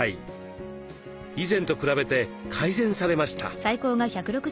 以前と比べて改善されました。